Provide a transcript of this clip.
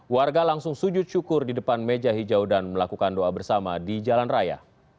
warga langsung sujud syukur di depan meja hijau dan melakukan doa bersama di jalan raya